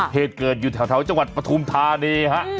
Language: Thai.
เหตุเกิดอยู่แถวจังหวัดปฐุมธานีฮะ